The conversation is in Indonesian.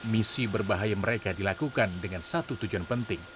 misi berbahaya mereka dilakukan dengan satu tujuan penting